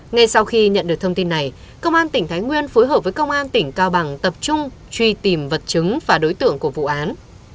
ngay sau khi nhận được thông tin này công an tỉnh thái nguyên phối hợp với công an tỉnh cao bằng tập trung truy tìm vật chứng và đối tượng của vụ án